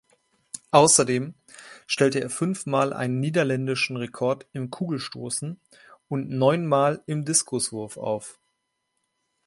Außerdem stellte er fünfmal einen niederländischen Rekord im Kugelstoßen und neunmal im Diskuswurf auf.